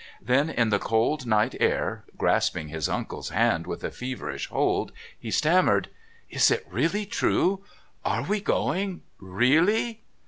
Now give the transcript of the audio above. Then in the cold night air, grasping his uncle's hand with a feverish hold, he stammered: "Is it really true? Are we going really?"